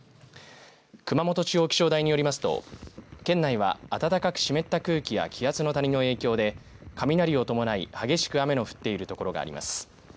熊本地方気象台によりますと県内は暖かく湿った空気や気圧の谷の影響で雷を伴い激しく雨の降っている所があります。